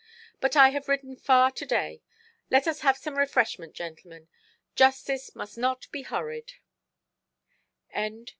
But I have ridden far to–day. Let us have some refreshment, gentlemen. Justice must not be hurried".